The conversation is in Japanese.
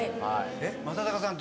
正隆さん。